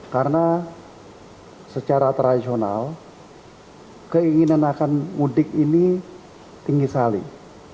karena secara tradisional keinginan akan mudik ini tinggi saling